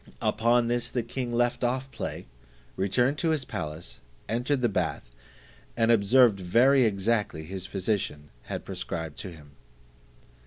Upon this the king left off play, returned to his palace, entered the bath, and observed very exactly his physician had prescribed to him.